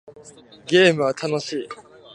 ゲームは楽しい